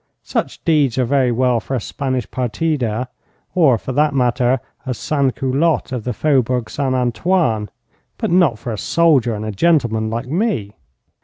Such deeds are very well for a Spanish partida or for that matter a sansculotte of the Faubourg St Antoine but not for a soldier and a gentleman like me.